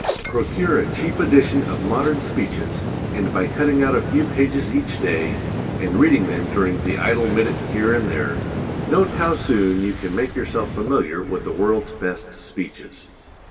Procure a cheap edition of modern speeches, and by cutting out a few pages each day, and reading them during the idle minute here and there, note how soon you can make yourself familiar with the world's best speeches.